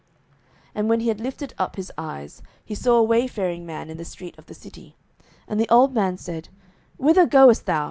07:019:017 And when he had lifted up his eyes, he saw a wayfaring man in the street of the city: and the old man said, Whither goest thou?